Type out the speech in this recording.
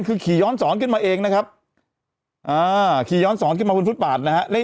คือขี่ย้อนสอนขึ้นมาเองนะครับอ่าขี่ย้อนสอนขึ้นมาบนฟุตบาทนะฮะเลข